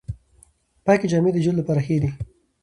پاکې جامې د جلد لپاره ښې دي۔